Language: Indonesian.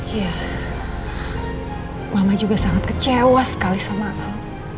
ya mama juga sangat kecewa sekali sama al